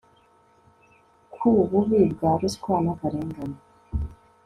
ku bubi bwa ruswa n'akarengane